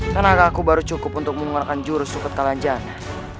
tenaga aku baru cukup untuk mengeluarkan jurus suket kalanjana